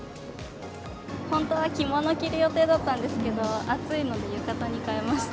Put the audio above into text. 本当は着物着る予定だったんですけど、暑いので浴衣に変えました。